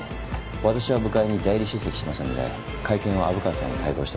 私は部会に代理出席しますので会見は虻川さんに帯同してもらいます。